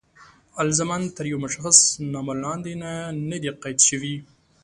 الزاماً تر یوه مشخص نامه لاندې نه دي قید شوي.